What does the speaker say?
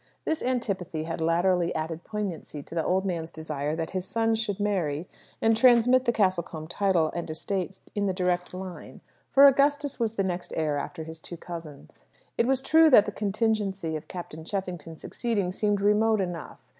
This antipathy had latterly added poignancy to the old man's desire that his son should marry, and transmit the Castlecombe title and estates in the direct line; for Augustus was the next heir after his two cousins. It was true that the contingency of Captain Cheffington succeeding seemed remote enough.